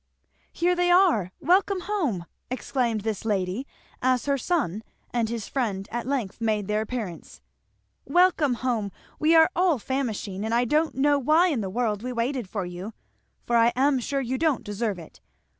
"Here they are! Welcome home," exclaimed this lady, as her son and his friend at length made their appearance; "Welcome home we are all famishing; and I don't know why in the world we waited for you, for I am sure you don't deserve it.